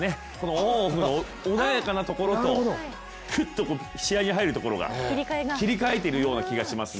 オンオフの、穏やかなところとクッと試合に入るところが切り替えているような気がしますね。